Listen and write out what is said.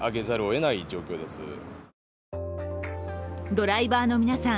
ドライバーの皆さん